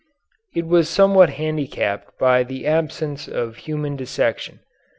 It was somewhat handicapped by the absence of human dissection.